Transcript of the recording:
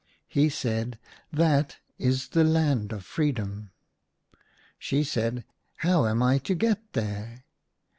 " He said, "That is the Land of Freedom." She said, " How am I to get there